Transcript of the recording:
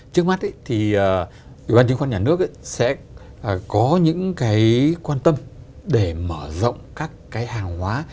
trước mắt thì ủy ban chứng khoán nhà nước sẽ có những cái quan tâm để mở rộng các cái hàng hóa